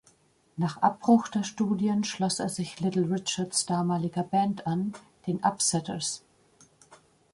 Nach Abbruch der Studien schloss er sich Little Richards damaliger Band an, den Upsetters.